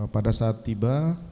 pada saat tiba